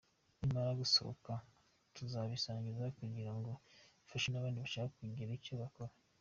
Nimara gusohoka tuzayibasangiza kugira ngo ifashe n’abandi bashaka kugira icyo bakora.